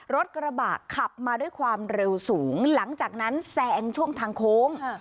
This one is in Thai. รถกระบะขับมาด้วยความเร็วสูงหลังจากนั้นแซงช่วงทางโค้ง